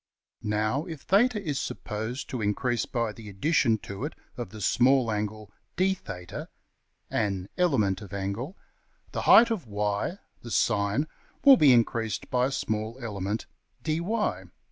Now, if $\theta$ is \DPPageSep{178.png}% supposed to increase by the addition to it of the small angle $d \theta$ an element of angle the height of~$y$, the sine, will be increased by a small element~$dy$.